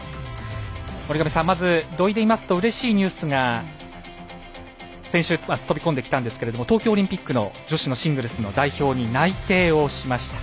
森上さん、まず土居で言うとうれしいニュースが先週、飛び込んできたんですが東京オリンピックの女子シングルスの代表に内定をしました。